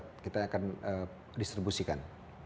market kita yang akan distribusikan